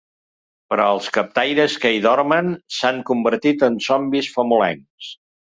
Però els captaires que hi dormen s’han convertit en zombis famolencs.